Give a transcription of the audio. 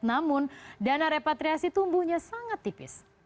namun dana repatriasi tumbuhnya sangat tipis